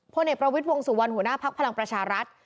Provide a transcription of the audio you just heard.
เอกประวิทย์วงสุวรรณหัวหน้าภักดิ์พลังประชารัฐ